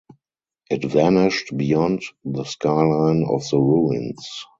It vanished beyond the skyline of the ruins.